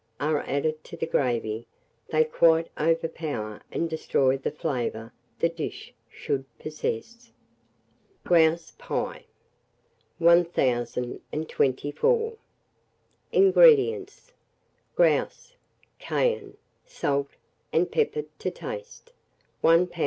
are added to the gravy, they quite overpower and destroy the flavour the dish should possess. GROUSE PIE. 1024. INGREDIENTS. Grouse; cayenne, salt, and pepper to taste; 1 lb.